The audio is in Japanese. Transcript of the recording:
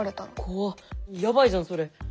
怖っやばいじゃんそれ。